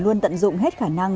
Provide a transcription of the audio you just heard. luôn tận dụng hết khả năng